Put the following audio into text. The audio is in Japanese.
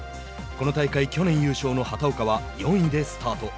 この大会、去年優勝の畑岡は４位でスタート。